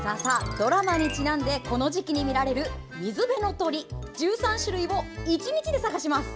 ドラマにちなんでこの時期に見られる水辺の鳥１３種類を１日で探します。